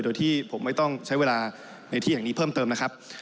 โดยที่ผมไม่ต้องใช้เวลาในที่อย่างนี้เพิ่มเติมนะครับ